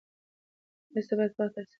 مرسته باید په وخت ترسره شي.